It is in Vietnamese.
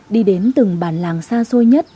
đi đến từng bàn làng xa xôi nhất